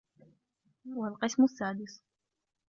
وَالْقِسْمُ السَّادِسُ